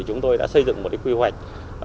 chúng tôi đã xây dựng một quy hoạch